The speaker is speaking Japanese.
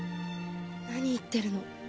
何言ってるの？